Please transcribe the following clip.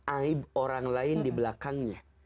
aib orang lain di belakangnya